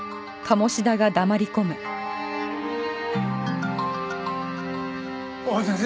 ああ先生。